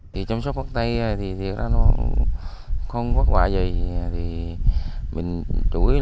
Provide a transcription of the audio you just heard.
ví dụ thì nhân dân này khi lên cây